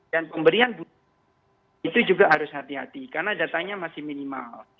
dan pemberian itu juga harus hati hati karena datanya masih minimal